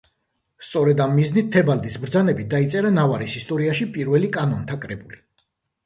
სწორედ ამ მიზნით, თეობალდის ბრძანებით დაიწერა ნავარის ისტორიაში პირველი კანონთა კრებული.